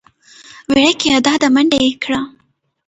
وېړکيه دا ده منډه يې کړه .